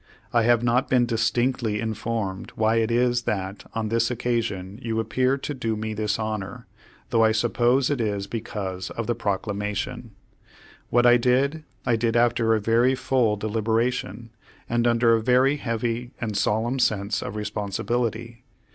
I 13 Page Ninety eight have not been distinctly informed why it is that on this occasion you appear to do me this honor, though I sup pose it is because of the Proclamation. What I did, I did after a very full deliberation, and under a very heavy and solemn sense of responsibility.